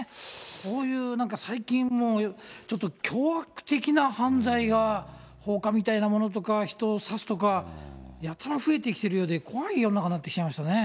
こういうなんか最近ちょっと凶悪的な犯罪が、放火みたいなものとか、人を刺すとか、やたら増えてきているようで怖い世の中になってきちゃいましたね。